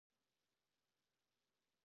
Traquair was raised in Santa Barbara.